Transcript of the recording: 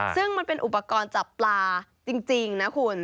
ซึ่งมันเป็นอุปกรณ์จับปลาจริงนะคุณ